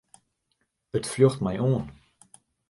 It fljocht my oan.